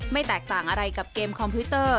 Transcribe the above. แตกต่างอะไรกับเกมคอมพิวเตอร์